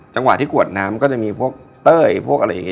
จังหวะที่กวดน้ำก็จะมีพวกเต้ยพวกอะไรอย่างนี้